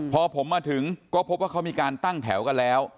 พอผมมาถึงก็พบว่าเขามีการตั้งแถวกันแล้ว